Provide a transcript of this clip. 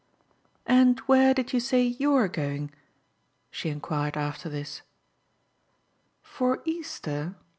"And where did you say YOU'RE going?" she enquired after this. "For Easter?"